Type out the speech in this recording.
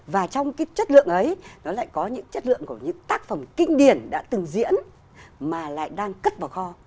và trong cái chất lượng ấy nó lại có những chất lượng của những tác phẩm kinh điển đã từng diễn mà lại đang cất vào kho